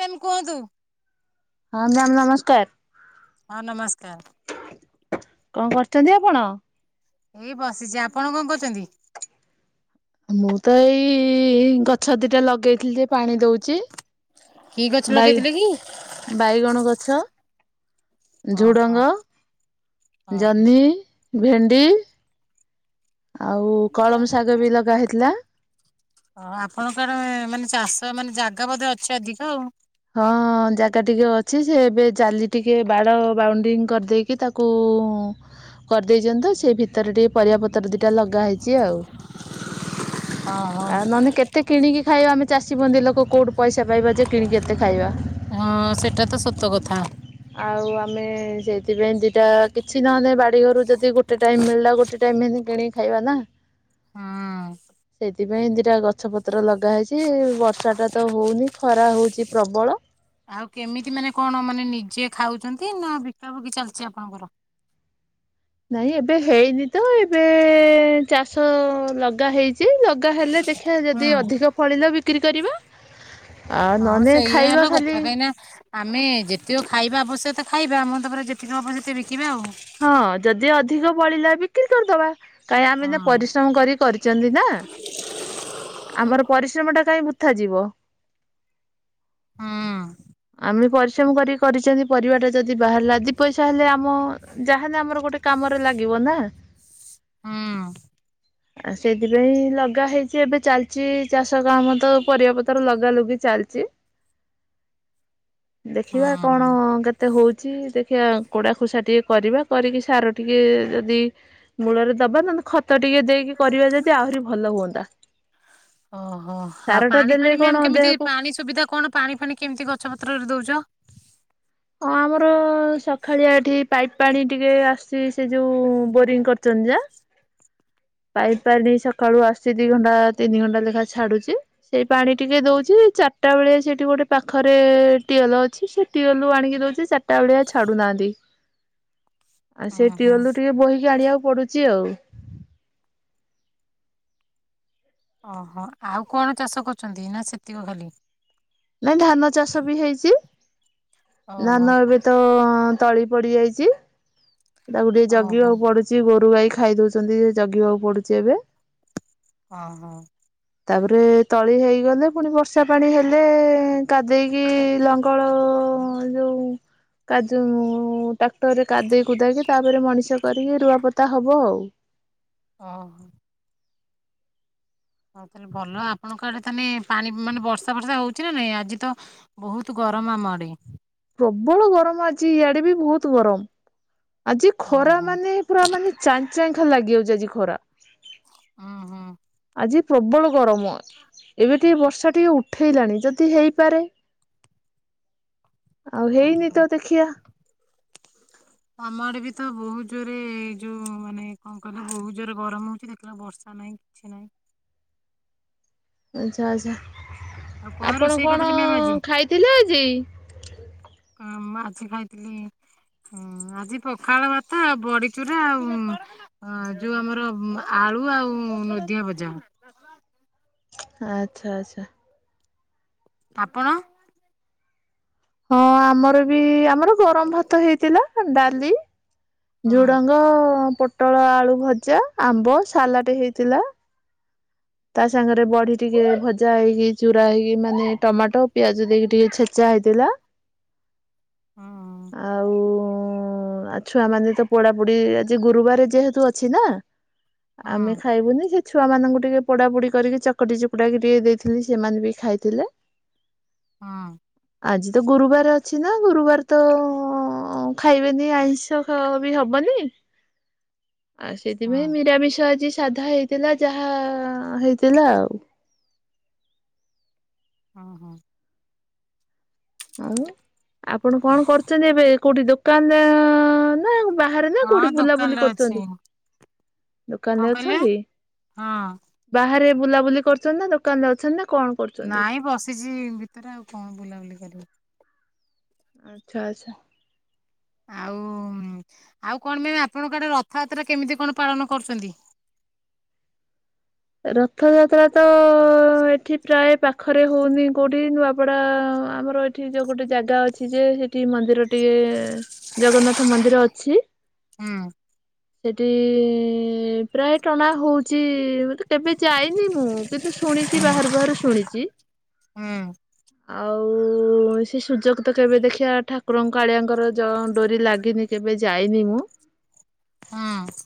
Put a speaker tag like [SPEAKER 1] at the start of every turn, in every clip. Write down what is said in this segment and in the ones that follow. [SPEAKER 1] [unintelligible] କୁହନ୍ତୁ।
[SPEAKER 2] ହଁ ମ୍ୟାମ୍ ନମସ୍କାର।
[SPEAKER 1] ହଁ ନମସ୍କାର।
[SPEAKER 2] କଣ କରୁଚନ୍ତି ଆପଣ।
[SPEAKER 1] ଏଇ ବସିଚି ଆପଣ କଣ କରୁଚନ୍ତି।
[SPEAKER 2] ମୁଁ ତ ଏଇ ଗଛ ଦିଟା ଲଗେଇଥିଲି ଯେ ପାଣି ଦଉଚି।
[SPEAKER 1] କି ଗଛ ଲଗେଇଥିଲେ କି।
[SPEAKER 2] ବାଇଗଣ ଗଛ।
[SPEAKER 1] ଓହୋ
[SPEAKER 2] ଝୁଡ଼ଙ୍ଗ
[SPEAKER 1] ଓହୋ
[SPEAKER 2] ଜହ୍ନି ଭେଣ୍ଡି। ଆଉ କଳମ ଶାଗ ବି ଲଗା ହେଇଥିଲା।
[SPEAKER 1] ଓ ଆପଣଙ୍କର ମାନେ ଚାଷ ମାନେ ଜାଗା ବୋଧେ ଅଛି ଅଧିକ ଆଉ।
[SPEAKER 2] ହଁ ଜାଗା ଟିକେ ଅଛି ସେ ଏବେ ଜାଲି ଟିକେ ବାଡ ବାଉଣ୍ଡିଂ କରିଦେଇକି ତାକୁ କୁ କରିଦେଇଚନ୍ତି ତ ସେ ଭିତରେ ଟିକେ ପରିବା ପତ୍ର ଦିଟା ଲଗା ହେଇଚି ଆଉ
[SPEAKER 1] ଓହୋ।
[SPEAKER 2] ଆଉ ନହଲେ କେତେ ଏତେ କିଣିକି ଖାଇବା ଆମେ ଚାଷୀ ବନ୍ଦୀ ଲୋକ କୋଉଟୁ ପଇସା ପାଇବା ଯେ କିଣିକି ଏତେ ଖାଇବା।
[SPEAKER 1] ହଁ ସେଟା ତ ସତ କଥା।
[SPEAKER 2] ଆଉ ଆମେ ସେଇଥିପାଇଁ ଦୁଇଟା କିଛି ନହଲେ ବାଡ଼ିଘରୁ ଯଦି ଗୋଟେ ଟାଇମ୍ ମିଳିଲା ଗୋଟେ ଟାଇମ୍ କି କିଣିିକି ଖାଇବା ନା।
[SPEAKER 1] ହଁ।
[SPEAKER 2] ସେଇଥିପାଇଁ ଦିଟା ଗଛ ପତ୍ର ଲଗା ହେଇଚି ବର୍ଷା ଟା ତ ହଉନି ଖରା ହଉଚି ପ୍ରବଳ।
[SPEAKER 1] ଆଉ କେମିତି ମାନେ କଣ ମାନେ ନିଜେ ଖାଉଚନ୍ତି ନା ବିକା ବିକି ଚାଲିଚି ଆପଣଙ୍କର।
[SPEAKER 2] ନାଇଁ ଏବେ ହେଇନି ତ ଏବେ ଚାଷ ଲଗା ହେଇଚି ଲଗା ହେଲେ ଦେଖା ଖିଆ
[SPEAKER 1] ହୁଁ।
[SPEAKER 2] ଯଦି ଅଧିକ ଫଳିଲା ବିକ୍ରି କରିବା। ଆଉ
[SPEAKER 1] ହଁ
[SPEAKER 2] ନହେଲେ
[SPEAKER 1] ସେଇ
[SPEAKER 2] ଖାଇବା
[SPEAKER 1] ହେଲା
[SPEAKER 2] ଖାଲି
[SPEAKER 1] କଥା, କାହିଁକି ନା? ଆମେ ଯେତିକି ଖାଇବା ଆବଶ୍ୟକତା ଖାଇବା, ଆମ ତାପରେ ଯେତିକି ହବ ସେତେ ବିକିବା ଆଉ।
[SPEAKER 2] ହଁ, ଯଦି ଅଧିକ ବଳିଲା ବିକ୍ରି କରିଦବା। କାଇହିଁ ଆମନା ପରିଶ୍ରମ କରି କରିଛନ୍ତି ନା। ଆମର ପରିଶ୍ରମ ଟା କାଇଁ ବୃଥା ଯିବ।
[SPEAKER 1] ହୁଁ ଉଁ
[SPEAKER 2] ଆମେ ପରିଶ୍ରମ କରି କରିଛନ୍ତି ପରିବା ଟା ଯଦି ବାହାରିଲା ଦି ପଇସା ହେଲେ ଆମ ଯାହାହେଲେ ଆମର ଗୋଟେ କାମରେ ଲାଗିବ ନା।
[SPEAKER 1] ହୁଁ ଉ
[SPEAKER 2] ଆଉ ସେଥିପାଇଁ ଲଗା ହେଇଛି ଏବେ ଚାଲିଛି ଚାଷ କାମ ତ ପରିବା ପତ୍ର ଲଗା ଲଗି ଚାଲିଛି।
[SPEAKER 1] ହୁଁ
[SPEAKER 2] ଦେଖିବା କଣ
[SPEAKER 1] ହୁଁ।
[SPEAKER 2] କେତେ? ଏତେ ହଉଛି ଦେଖିବା କୋଡ଼ା ଖୋସା ଟିକେ କରିବା କରିକି ସାର ଟିକେ ଯଦି ମୂଳରେ ଦବା, ନହେଲେ ଖତ ଟିକେ ଦେଇକି କରିବା ଯଦି ଆହୁରି ଭଲ ହୁଅନ୍ତା।
[SPEAKER 1] ଓହୋ, ଆଉ
[SPEAKER 2] ସାରଟା
[SPEAKER 1] ପାଣି
[SPEAKER 2] ଦେଲେ
[SPEAKER 1] ଫାଣି
[SPEAKER 2] କଣ
[SPEAKER 1] ମାମ କେମିତି
[SPEAKER 2] ଦେହକୁ
[SPEAKER 1] ପାଣି? ସୁବିଧା କଣ? ପାଣି ଫାଣି କେମିତି ଗଛପତ୍ରରେ ଦଉଛ?
[SPEAKER 2] ଅ ଆମର ସକାଳିଆ ଏଠି ପାଇପ୍ ପାଣି ଟିକେ ଆସିଛି, ସେ ଯୋଉ ବୋରିଂ କରୁଛନ୍ତି ଯା। ପାଇପ ପାଣି ସକାଳୁ ଆସି ଦି ଘଣ୍ଟା ତିନି ଘଣ୍ଟା ଲେଖା ଛାଡୁଛି। ସେଇ ପାଣି ଟିକେ ଦଉଛି, ଚାରିଟା ବେଳେ ସେଠି ଗୋଟେ ପାଖରେ ଟ୍ୟୁୱେଲ ଅଛି, ସେ ଟ୍ୟୁୱେଲ ଆଣିକି ଦଉଛି, ଚାର ଚାରିଟାଉଳିଆ ଛାଡୁନାହାନ୍ତି। ଆଉ ସେ
[SPEAKER 1] ଉଁ ହୁଁ।
[SPEAKER 2] ଟ୍ୟୁୱେଲ ରୁ ଟିକେ ବୋହିକି ଆଣିବାକୁ ପଡୁଛି ଆଉ।
[SPEAKER 1] ଓହୋ, ଆଉ କଣ ଚାଷ କରୁଛନ୍ତି? ନା ସେତିକ ଖାଲି?
[SPEAKER 2] ନାଇଁ ଧାନ ଚାଷ ବି ହେଇଛି।
[SPEAKER 1] ଓହୋ।
[SPEAKER 2] ଧାନ ଏବେ ତ ତଳି ପଡି ଯାଇଛି, ତାକୁ ଟିକେ
[SPEAKER 1] ଓହୋ
[SPEAKER 2] ଜଗିବାକୁ ପଡୁଛି। ଯିଏ ଗୋରୁ ଗାଈ ଖାଇ ଦଉଛନ୍ତି ଜଗିବାକୁ ପଡୁଛି ଏବେ।
[SPEAKER 1] ଅ ହ
[SPEAKER 2] ତାପରେ ତଳି ହେଇଗଲେ, ପୁଣି ବର୍ଷା ପାଣି ହେଲେ ଲେ କାଦେଇକି ଲଙ୍ଗଳ ଯୋଉ କାଜୁ ଟ୍ରାକ୍ଟରରେ କାଦେଇ କୁଦେଇକି ତାପରେ ମଣିଷ କରିକି ରୁଆପୋତା ହେବ ଆଉ।
[SPEAKER 1] ଅ ହ ହଉ ତାହେଲେ ଭଲ, ଆପଣଙ୍କ ଆଡେ ତାହେ ପାଣି ମାନେ ବର୍ଷା ବର୍ଷା ହଉଛି ନା ନାଇଁ, ଆଜି ତ ବହୁତ ଗରମ ଆମ ଆଡେ।
[SPEAKER 2] ପ୍ରବଳ ଗରମ, ଆଜି ଇଆଡେ ବି ବହୁତ ଗରମ, ଆଜି ଖରା
[SPEAKER 1] ଓହୋ
[SPEAKER 2] ମାନେ ପୁରା ମାନେ ଚା ଚାଁଏ ଲାଗିଯାଉଛି ଆଜି ଖରା।
[SPEAKER 1] ଉଁ ହୁଁ
[SPEAKER 2] ଆଜି ପ୍ରବଳ ଗରମ। ଏବେ ଟିକେ ବର୍ଷା ଟିକେ ଉଠେଇଲାଣି, ଯଦି ହେଇପାରେ? ଆଉ
[SPEAKER 1] ହଁ
[SPEAKER 2] ହେଇନି
[SPEAKER 1] ହଁ।
[SPEAKER 2] ତ ଦେଖିବା [inaudible]
[SPEAKER 1] ଆମ ଆଡେ ବି ତ ବହୁତ ଜୋରରେ, ଯୋଉ ମାନେ କଣ କହିଲ ବହୁତ ଜୋରେ ଗରମ ହଉଛି, ଦେଖିଲା ବର୍ଷା ନାହିଁ। ଛି ନାହିଁ।
[SPEAKER 2] ଆଛା ଆଛା,
[SPEAKER 1] ଆଉ କଣ
[SPEAKER 2] ଆପଣ
[SPEAKER 1] ରୋଷେଇ
[SPEAKER 2] କଣ
[SPEAKER 1] କରିଥିଲି ମ୍ୟାମ୍ ଆଜି?
[SPEAKER 2] ଖାଇଥିଲେ ଆଜି?
[SPEAKER 1] ହଁ ମୁଁ ଆଜି ଖାଇଥିଲି ହଁ ଆଜି ପଖାଳ ଭାତ ଆଉ ବଡିଚୁରା ଆଉ ହଁ ଯୋଉ ଆମର ଆଳୁ ଆଉ ନଦିଆ ଭଜା।
[SPEAKER 2] ଆଛା ଆଛା।
[SPEAKER 1] ଆପଣ?
[SPEAKER 2] ହଁ ଆମର ବି, ଆମର ଗରମ ଭାତ ହେଇଥିଲା, ଡାଲି,
[SPEAKER 1] ହଁ
[SPEAKER 2] ଝୁଡଙ୍ଗ ପୋଟଳ ଆଳୁ ଭଜା, ଆମ୍ବ, ସାଲାଟ ହେଇଥିଲା। ତା ସାଙ୍ଗରେ ବଢି ଟିକେ ଭଜା ହେଇକି, ଚୁରା ହେଇକି, ମାନେ ଟମାଟୋ ପିଆଜ ଦେଇକି ଟିକେ ଛେ ଜା ହେଇଥିଲା।
[SPEAKER 1] ହଁ।
[SPEAKER 2] ଆଉ। ଓ ଆଉ ଛୁଆମାନେ ତ ପୋଡାପୋଡି ଆଜି ଗୁରୁବାର ଯେହେତୁ ଅଛି ନା
[SPEAKER 1] ହଁ
[SPEAKER 2] ଆମେ ଖାଇବୁନି ସେ ଛୁଆ ମାନଙ୍କୁ ଟିକେ ପୋଡ଼ାପୋଡ଼ି କରିକି ଚକଟି ଚୁକୁଡ଼ାକି ଟିକେ ଦେଇଥିଲି ସେମାନେ ବି ଖାଇଥିଲେ।
[SPEAKER 1] ହଁ।
[SPEAKER 2] ଆଜି ତ ଗୁରୁବାର ଅଛି ନା ଗୁରୁବାର ତ ଓ ଖାଇବେନି ଆଇଁଷ ବି ଖ ହବନି ଆଉ
[SPEAKER 1] ହଁ
[SPEAKER 2] ସେଥିପାଇଁ ନିରାମିଷ ଆଜି ସାଧା ହେଇଥିଲା ଯାହା ହେଇଥିଲା ଆଉ।
[SPEAKER 1] ହଁ ହଁ।
[SPEAKER 2] ଆଉ ଆପଣ କଣ କରୁଛନ୍ତି ଏବେ କୋଉଠି ଦୋକାନରେ ନା ବାହାରେ ନା କୋଉଠି
[SPEAKER 1] ହଁ
[SPEAKER 2] ବୁଲାବୁଲି
[SPEAKER 1] ଦୋକାନରେ ଅଛି
[SPEAKER 2] କରୁଛନ୍ତି?
[SPEAKER 1] କଣ
[SPEAKER 2] ଦୋକାନରେ
[SPEAKER 1] କହିଲେ
[SPEAKER 2] ଅଛନ୍ତି?
[SPEAKER 1] ହଁ
[SPEAKER 2] ବାହାରେ ବୁଲାବୁଲି କରୁଛନ୍ତି ନା ଦୋକାନରେ ଅଛନ୍ତି ନା କଣ? କରୁଛନ୍ତି?
[SPEAKER 1] ନାଇଁ ବସିଛି ଭିତରେ ଆଉ କଣ ବୁଲାବୁଲି କରିବି।
[SPEAKER 2] ଆଚ୍ଛା ଆଚ୍ଛା।
[SPEAKER 1] ଆଉ ଆଉ କଣ ପାଇଁ ଆପଣଙ୍କ ଆଡ଼େ ରଥଯାତ୍ରା କେମିତି କଣ ପାଳନ କରୁଛନ୍ତି?
[SPEAKER 2] ରଥଯାତ୍ରା ତ ଏଠି ପ୍ରାୟ ପାଖରେ ହୋଉନି କୋଉଠି ନୂଆପଡା ଆମର ଏ ସେଠି ଯୋଉ ଗୋଟେ ଜାଗା ଅଛି ଯେ ସେଠି ମନ୍ଦିର ଟିକେ ଜଗନ୍ନାଥ ମନ୍ଦିର ଅଛି।
[SPEAKER 1] ହଁ।
[SPEAKER 2] ସେଠି ପ୍ରାୟ ଟଣା ହଉଛି ମ କେବେ ଯାଇନି ମୁଁ କିନ୍ତୁ ଶୁଣିଛି ବାହାରୁ ବାହାରୁ ଶୁଣିଛି।
[SPEAKER 1] ହୁଁ
[SPEAKER 2] ଆଉ ଆଉ ସେ ସୁଯୋଗ ତ କେବେ ଦେଖିବା ଠାକୁ କୁରଙ୍କ କାଳିଆଙ୍କର ଯ ଡୋରି ଲାଗିନି କେବେ ଯାଇନି ମୁଁ।
[SPEAKER 1] ହୁଁ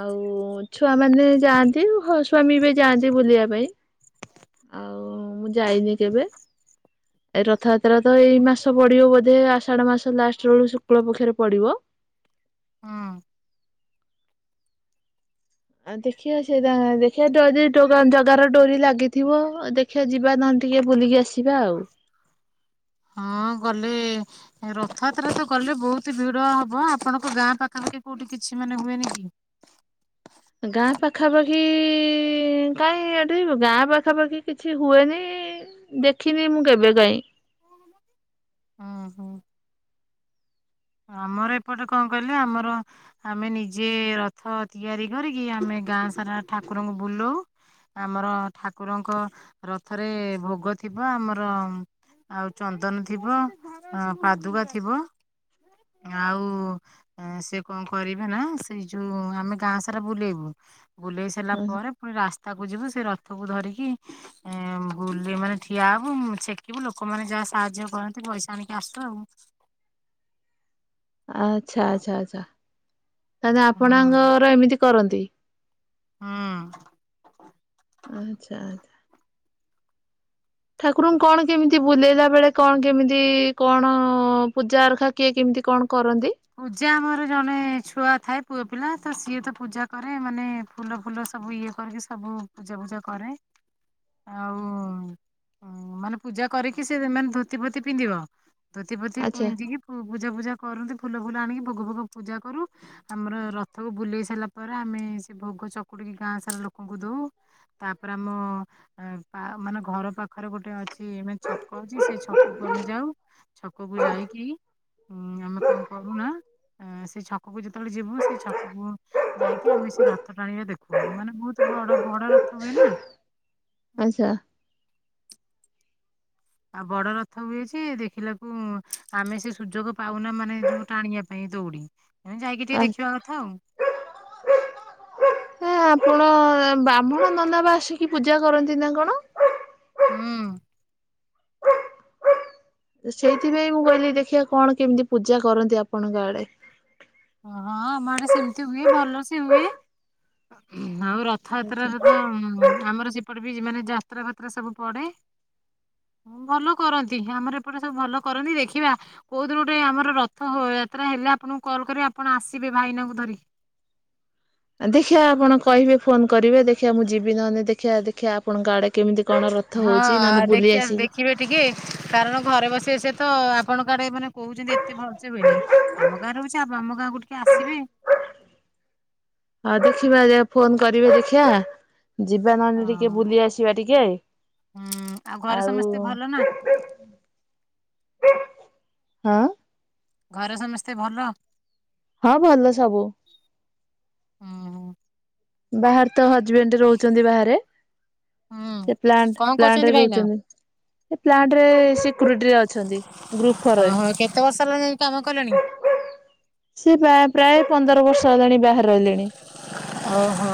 [SPEAKER 2] ଆଉ ଛୁଆ ମାନେ ଯାଆନ୍ତି ହ ସ୍ୱାମୀ ବି ଯାଆନ୍ତି ବୁଲିବା ପାଇଁ ଆଉ ମୁଁ ଯାଇନି କେବେ। ଏ ରଥଯାତ୍ରା ତ ଏଇ ମାସ ପଡିବ ବୋଧେ ଆଷାଢ଼ ମାସ ଲାଷ୍ଟରେ ବେଳୁ ଶୁକ୍ଳ ପକ୍ଷରେ ପଡିବ।
[SPEAKER 1] ହଁ।
[SPEAKER 2] ଆଉ ଦେଖିବା ସେଇଟା ଦେଖିବା ଯଦି ଜଗା ଜଗାର ଡୋରି ଲାଗିଥିବ ଦେଖ ଖିଆ ଯିବା ନହେନେ ଟିକେ ବୁଲିକି ଆସିବା ଆଉ।
[SPEAKER 1] ହଁ ଗଲେ ରଥଯାତ୍ରା ତ କଲେ ବହୁତ ଭିଡ ହବ ଆପଣଙ୍କ ଗାଁ ପାଖପାଖି କୋଉଠି କିଛି ମାନେ ହୁଏନି କି?
[SPEAKER 2] ଗାଁ ପାଖାପାଖି କାହିଁ ଏଠି ଗାଁ ପାଖାପାଖି କିଛି ହୁଏନି। ଦେଖିନି ମୁଁ କେବେ କାଇଁ।
[SPEAKER 1] ହଁ ହଁ। ଆମର ଏପଟେ କଣ କହିଲେ ଆମର ଆମେ ନିଜେ ରଥ ତିଆରି କରିକି ଆମେ ଗାଁ ସାରା ଠାକୁରଙ୍କୁ ବୁଲାଉ। ଆମର ଠାକୁରଙ୍କ ରଥରେ ଭୋଗ ଥିବ ଆମର। ଆଉ ଚନ୍ଦନ ଥିବ ଆଁ ପାଦୁକା ଥିବ। ଆଉ ଅ ସେ କଣ କରିବେ ନା ସେଇ ଯୋଉ ଆମେ ଗାଁ ସାରା ବୁଲେଇବୁ ବୁଲେଇ ସାରିଲା ପରେ ପୁଣି ରାସ୍ତାକୁ ଯିବୁ ସେ ରଥକୁ ଧରିକି ଏ ବୁଲି ମାନେ ଠିଆ ହୋବୁ ଛେକିବୁ ଲୋକମାନେ ଯାହା ସାହାଯ୍ୟ କରନ୍ତି ପଇସା ଆଣିକି ଆସୁ ଆଉ।
[SPEAKER 2] ଆଚ୍ଛା ଆଚ୍ଛା ଆଚ୍ଛା ତାହେଲେ
[SPEAKER 1] ହୁଁ
[SPEAKER 2] ଆପଣଙ୍କର ଏମିତି କରନ୍ତି।
[SPEAKER 1] ହଁ।
[SPEAKER 2] ଆଚ୍ଛା ଆଚ୍ଛା। ଠାକୁରଙ୍କୁ କଣ କେମିତି ବୁଲେଇଲା ବେଳେ କଣ କେମିତି କଣ ପୂଜା ଅରଖା କିଏ କେମିତି କଣ କରନ୍ତି?
[SPEAKER 1] ପୂଜା ଆମର ଜଣେ ଛୁଆ ଥାଏ ପୁଅ ପିଲା ତ ସିଏ ତ ପୂଜା କରେ ମାନେ ଫୁଲ ଫୁଲ ସବୁ ଇଏ କରିକି ସବୁ ପୂଜା ଫୁଜା କରେ। ଆଉ ମାନେ ପୂଜା କରିକି ସେ ମାନେ ଧୋତି ଫୋତି ପିନ୍ଧିବ। ଧୋତି ଫୋତି
[SPEAKER 2] ଆଚ୍ଛା
[SPEAKER 1] ପିନ୍ଧିକି ପୂ ପୂଜା ଫୂଜା କରନ୍ତି ଫୁଲ ଫୁଲ ଆଣିକି ଭୋଗ ଫୋଗ ପୂଜା କରୁ। ଆମର ରଥକୁ ବୁଲେଇ ସାଇଲା ପରେ ଆମେ ସେ ଭୋଗ ଚକୁଡିକି ଗାଁ ସାରା ଲୋକଙ୍କୁ ଦଉ। ତାପରେ ଆମ ଏଁ ପା ମାନେ ଘର ପାଖରେ ଗୋଟେ ଅ ଛି ମାନେ ଛକ ଅଛି ସେ ଛକକୁ ଆମେ ଯାଉ ଛକକୁ ଯାଇକି ଉଁ ଆମ୍ କଁ କରୁନା? ଆଁ ସେଇ ଛକକୁ ଯେତେବେଳେ ଯିବୁ ସେଇ ଛକକୁ ଯାଇକି ଆମେ ସେ ରଥ ଟାଣିବା ଦେଖୁ ମାନେ ବହୁତ ଭଡ ବଡ ରଥ ହୁଏ ନା।
[SPEAKER 2] ଆଚ୍ଛା।
[SPEAKER 1] ଆଉ ବଡ ରଥ ହୁଏ ଯେ ଦେଖିଲାକୁ ଆମେ ସେ ସୁଯୋଗ ପାଉନା ମାନେ ଯୋଉ ଟାଣିଆକୁ। ପାଇଁ ଦୌଡିମ୍ ଯାଇକି ଟିକେ ଦେଖିବା କଥା ଆଉ।
[SPEAKER 2] Hook hook. ଏଁ ଆପଣ ବ୍ରାହ୍ମଣ ନନା ପା ଆସିକି ପୂଜା କରନ୍ତି ନା କଣ?
[SPEAKER 1] ହୁଁ।
[SPEAKER 2] ସେଇଥିପାଇଁ ମୁଁ କହିଲି ଦେଖିଆ କଣ କେମତି ପୂଜା କରନ୍ତି ଆପଣଙ୍କ ଆଡେ।
[SPEAKER 1] ହଁ ଆମ ଆଡେ ସେମତି ହୁଏ ଭଲ ସେ ହୁଏ ହୁଁ ଆଉ ର
[SPEAKER 2] ଆଚ୍ଛା।
[SPEAKER 1] ଥଯାତ୍ରାରେ ତ ଆମର ସେପଟେ ବି ମାନେ ଯାତ୍ରା ଫାତ୍ରା ସବୁ ପଡେ। ଭଲ କରନ୍ତି ଆମର ଏପଟେ ସବୁ ଭଲ କରନ୍ତି ଦେଖିବା। କୋଉ ଦିନ ଗୋଟେ ଆମର ରଥ ଯାତ୍ରା ହେଲେ ଆପଣଙ୍କୁ କଲ୍ କରିବେ ଆପଣ ଆସିବେ ଭାଇନାଙ୍କୁ ଧରିକି।
[SPEAKER 2] ଦେଖିବା ଆପଣ କହିବେ ଫୋନ କରିବେ ଦେଖଆ ମୁଁ ଯିବି ନହେଲେ ଦେଖିଆ ଦେଖିଆ ଆପଣଙ୍କ ଆଡେ କେମିତି କଣ ରଥ ହଉଚି
[SPEAKER 1] ହଁ
[SPEAKER 2] ନହେଲେ ବୁଲି
[SPEAKER 1] ଦେଖିଆ
[SPEAKER 2] ଆସିବି
[SPEAKER 1] ଦେଖିବେ ଟିକେ କାରଣ ଘରେ ବସି ବସି କାତ ଆପଣଙ୍କ ଆଡେ ମାନେ କହୁଛନ୍ତି ଏତେ ଭଲ୍ ସେ ହୁଏନି। ଆମ ଗାଁରେ ହଉଛି ଆମ ଗାଁ କୁ ଟିକେ ଆସିବେ।
[SPEAKER 2] ଆଁ ଦେଖିବା ଫୋନ୍ କରିବେ ଦେଖିଆ। ଯିବା ନହେଲେ ଟିକେ
[SPEAKER 1] ହଁ
[SPEAKER 2] ବୁଲି ଆସିବା ଟିକେ।
[SPEAKER 1] ହୁଁ ଘରେ
[SPEAKER 2] ଆଉ
[SPEAKER 1] ସମସ୍ତେ ଭଲ ନା
[SPEAKER 2] ଆଁ।
[SPEAKER 1] ଘରେ ସମସ୍ତେ ଭଲ?
[SPEAKER 2] ହଁ ଭଲ ସବୁ।
[SPEAKER 1] ଅହଃ।
[SPEAKER 2] ବାହାର୍ ତ ହଜ୍ ବେଣ୍ଟ ରହୁଚନ୍ତି ବାହାରେ।
[SPEAKER 1] ହୁଁ
[SPEAKER 2] ସେ ପ୍ଲାଣ୍ଟ
[SPEAKER 1] କଣ
[SPEAKER 2] ପ୍ଲାଣ୍ଟରେ
[SPEAKER 1] କରୁଛନ୍ତି ଭାଇନା
[SPEAKER 2] ରହୁଛନ୍ତି। ସେ ପ୍ଲାଣ୍ଟ ରେ ସିକୁରିଟିରେ ଅଛନ୍ତି। ଗ୍ରୁପ୍ ଫର୍ ରେ।
[SPEAKER 1] ଓହୋ କେତେ ବର୍ଷ ହେଲା ଯାଇଁକି କାମ କଲେଣି?
[SPEAKER 2] ସେ ପ୍ରାଏ ପ୍ରାଏ ପନ୍ଦର ବର୍ଷ ହେଲାଣି ବାହାରେ ରହିଲେଣି।
[SPEAKER 1] ଅହୋ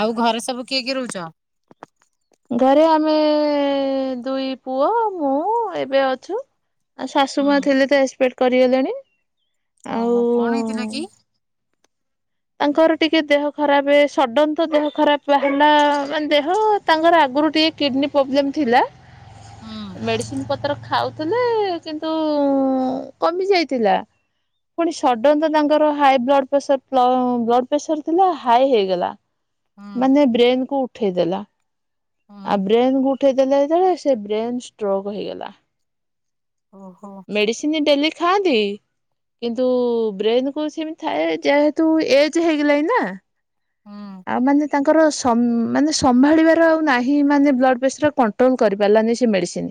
[SPEAKER 1] ଆଉ ଘରେ ସବୁ କିଏ କିଏ ରହୁଚ?
[SPEAKER 2] ଘରେ ଆମେ ଦୁଇ ପୁଅ ମୁଁ ଏବେ ଅଛୁ। ଆଉ ଶାଶୁ ମା
[SPEAKER 1] ହୁଁ
[SPEAKER 2] ଥିଲେ ତ ଏକ୍ସପେଟ୍ କରିଗଲେଣି। ଆଉ
[SPEAKER 1] ଓହୋ କଣ ହେଇ ଥିଲା କିି?
[SPEAKER 2] ତାଙ୍କର ଟିକେ ଦେହ ଖରାପେ ସଡନ୍ ତ ଦେହ ଖରାପ ବାହାରିଲା ମାନେ ଦେହ ତାଙ୍କର ଆଗରୁ ଟିକେ କିଡ୍ନୀ ପ୍ରୋବ୍ଲେମ୍ ଥିଲା।
[SPEAKER 1] ହୁଁ
[SPEAKER 2] ମେଡ଼ିସିନ ପତର ଖାଉ ଥିଲେ କିନ୍ତୁ କମିଯାଇଥିଲା। ପୁଣି ସଡନ୍ ତାଙ୍କର ହାଇ ବ୍ଲଡ ପେସର ବ୍ଲ ବ୍ଲଡ ପେସର୍ ଥିଲା ହାଇ ହେଇଗଲା।
[SPEAKER 1] ହୁଁ
[SPEAKER 2] ମାନେ ବ୍ରେନ କୁ ଉଠେଇ ଦେଲା। ଆ
[SPEAKER 1] ହୁଁ
[SPEAKER 2] ବ୍ରେନ୍ କୁ ଉଠେଇ ଦେଲା ଯେତେବେଳେ ସେ ବ୍ରେନ୍ ଷ୍ଟ୍ରୋକ୍ ହେଇଗଲା।
[SPEAKER 1] ଓହୋ।
[SPEAKER 2] ମେଡ଼ିସିନି ଡେଲି ଖାଆନ୍ତି? କିନ୍ତୁ ବ୍ରେନ୍ କୁ ସିମିତ୍ ଥାଏ ଯେହେତୁ ଏଜ୍ ହେଇଗଲାଣି ନା।
[SPEAKER 1] ହୁଁ
[SPEAKER 2] ଆଉ ମାନେ ତାଙ୍କର ସମ୍‌ ମାନେ ସମ୍ଭାଳିବାର ଆଉ ନାହିଁ ମାନେ ବ୍ଲଡ ପ୍ରେସର କଣ୍ଟ୍ରୋଲ କରିପାରିଲାନି ସେ ମେଡ଼ିସିନ୍।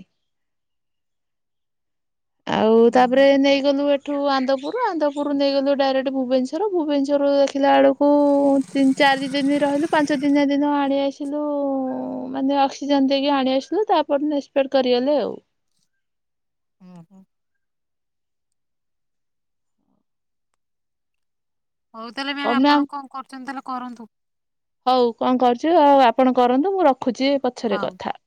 [SPEAKER 2] ଆଉ
[SPEAKER 1] ହୁଁ
[SPEAKER 2] ତାପରେ ନେଇଗଲୁ ଏ ଠୁ ଆନ୍ଦପୁର ଆନ୍ଦପୁରରୁ ନେଇଗଲୁ ଡାଇରେକ୍ଟ ଭୁବେନଶ୍ୱର ଭୁବନେଶ୍ୱରରୁ ଦେଖିଲା ବେଳକୁ ତିନ୍ ଚାରି ଦିନି ରହିଲୁ ପାଞ୍ଚ ଦି ନ ଦିନ ଆଣି ଆସିଲୁ ମାନେ ଅକ୍ସିଜେନ ଦେଇକି ଆଣି ଆସିଲୁ ତା ପରଦିନ ଏକ୍ସପେଡ କରିଗଲେ ଆଉ।
[SPEAKER 1] ଓହୋ। ହଉ ତାହେଲେ ମ୍ୟାମ୍ ଆପଣ କଣ କରୁଚନ୍ତି ତାହେଲେ କରନ୍ତୁ।
[SPEAKER 2] ହଉ କଣ କରୁଛୁ ଆଉ ଆପଣ କରନ୍ତୁ ମୁଁ ରଖୁଚି ପଛରେ
[SPEAKER 1] ହଉ
[SPEAKER 2] କଥା